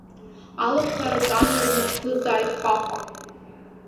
Алашара ҿамҩа днахӡыӡааит Хәахәа.